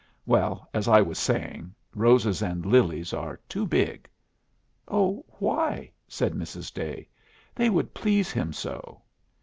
Well, as I was saying, roses and lilies are too big." "Oh, why?" said Mrs. Day. "They would please him so."